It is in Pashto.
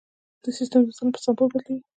دا موضوع د سیستم د ظلم په سمبول بدلیږي.